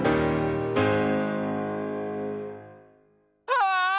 ああ！